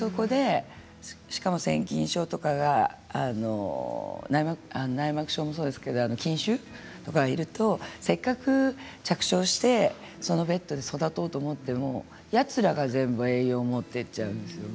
しかも腺筋症とかが内膜症もそうですけれど子宮筋腫もあるとせっかく着床してベッドで育とうと思っていてもやつらが全部栄養を持っていってしまうんです。